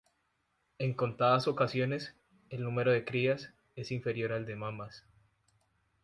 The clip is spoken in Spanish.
En contadas ocasiones, el número de crías es inferior al de mamas.